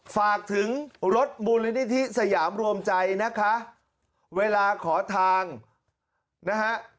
ฝากถึงรถมูลนิธิสยามรวมใจนะคะเวลาขอทางนะฮะ